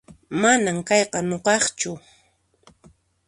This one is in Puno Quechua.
Manan kayqa nuqaqchu